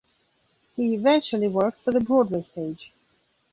He eventually worked for the Broadway stage.